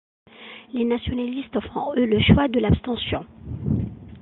Les nationalistes font eux le choix de l'abstention.